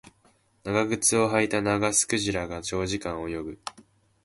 長靴を履いたナガスクジラが長時間泳ぐ